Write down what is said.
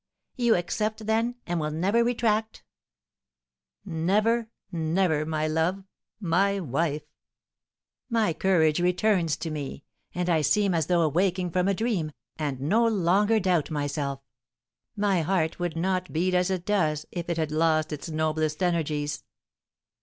'" "You accept, then, and will never retract?" "Never, never, my love my wife! My courage returns to me, and I seem as though awaking from a dream, and no longer doubt myself. My heart would not beat as it does if it had lost its noblest energies."